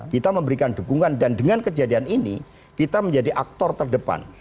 kita memberikan dukungan dan dengan kejadian ini kita menjadi aktor terdepan